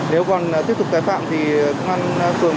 nếu còn tiếp tục tái phạm thì công an phường